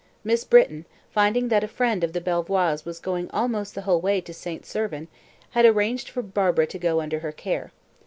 Miss Britton, finding that a friend of the Belvoirs was going almost the whole way to St. Servan, had arranged for Barbara to go under her care.